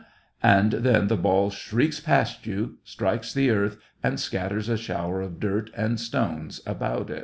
" And then the ball shrieks past you, strikes the earth, and scatters a shower of dirt and stones about it.